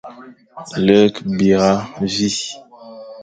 Lekh, bîra, vîe.